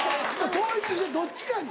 統一してどっちかに。